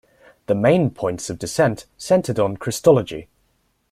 The main points of dissent centered on Christology.